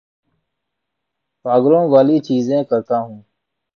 پاگلوں والی چیزیں کرتا ہوں